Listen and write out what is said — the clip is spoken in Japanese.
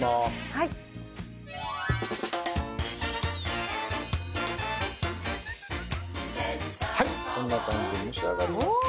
はいこんな感じで蒸し上がりました。